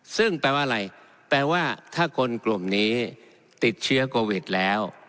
ซึ่งแปลว่าอะไรแปลว่าถ้าคนกลุ่มนี้ติดเชื้อโควิดแล้ว